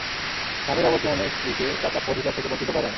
স্বামীর অবর্তমানে স্ত্রীকে তাঁর প্রাপ্য অধিকার থেকে বঞ্চিত করা যায় না।